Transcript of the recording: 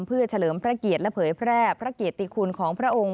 เพื่อเฉลิมพระเกียรติและเผยแพร่พระเกียรติคุณของพระองค์